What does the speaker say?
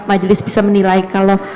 majelis bisa menilai kalau